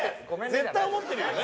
絶対思ってるよね。